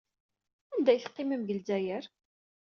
Anda ay teqqimem deg Lezzayer?